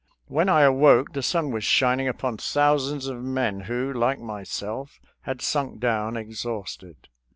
■ When I awoke the sun was shining upon thousands of men who, like myself, had sunk down exhausted.